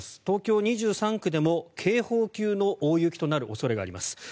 東京２３区でも警報級の大雪となる恐れがあります。